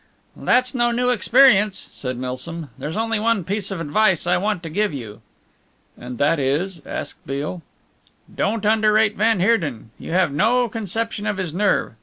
"That's no new experience," said Milsom, "there's only one piece of advice I want to give you." "And that is?" asked Beale. "Don't underrate van Heerden. You have no conception of his nerve.